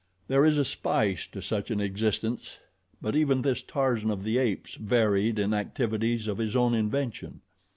There is a spice to such an existence; but even this Tarzan of the Apes varied in activities of his own invention.